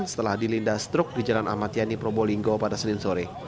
setelah dilindas truk di jalan amatiani probolinggo pada selim sore